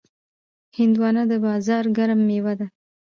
هندوانه د بازار ګرم میوه ده.